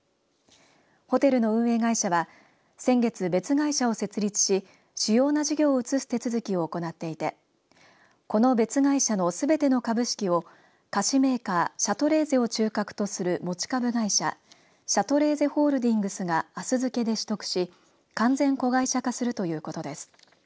ホテルの運営会社は先月別会社を設立し主要な事業を移す手続きを行っていてこの別会社のすべての株式を菓子メーカーシャトレーゼを中核とする持ち株会社シャトレーゼホールディングスがあす付けで取得し完全子会社化するということです。